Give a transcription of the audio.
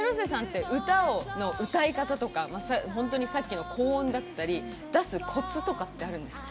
広瀬さんって、歌い方とか、さっきの高音だったり、出すコツとかってあるんですか？